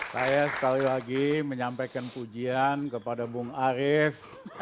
saya sekali lagi menyampaikan pujian kepada bung arief